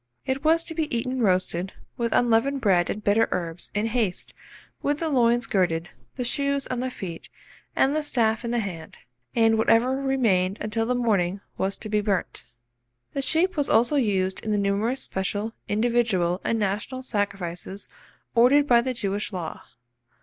It was to be eaten roasted, with unleavened bread and bitter herbs, in haste, with the loins girded, the shoes on the feet, and the staff in the hand; and whatever remained until the morning was to be burnt. The sheep was also used in the numerous special, individual, and national sacrifices ordered by the Jewish law.